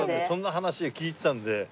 そんな話を聞いてたんで。